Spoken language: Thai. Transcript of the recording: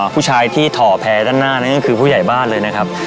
ผู้ชายที่ถ่อแพร่ด้านหน้านั่นก็คือผู้ใหญ่บ้านเลยนะครับ